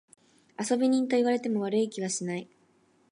遊び人と言われても悪い気はしない。